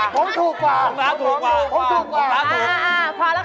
ของร้านถูกกว่าของร้านถูก